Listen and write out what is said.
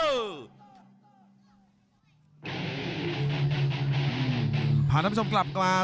พาท่านผู้ชมกลับมา